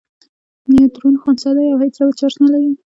نیوټرون خنثی دی او هیڅ ډول چارچ نلري.